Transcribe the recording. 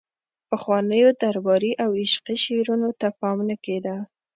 پخوانیو درباري او عشقي شعرونو ته پام نه کیده